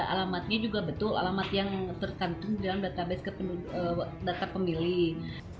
alamatnya juga betul alamat yang tercantum dalam database data pemilih